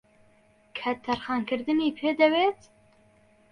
کات تەرخانکردنی پێدەوێت